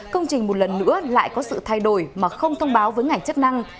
công trình một lần nữa lại có sự thay đổi mà không thông báo với ngành chức năng